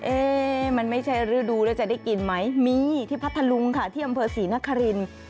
เอ๊ะมันไม่ใช่ฤดูแล้วจะได้กินไหมมีที่พัทธลุงค่ะที่อำเภอศรีนครินทร์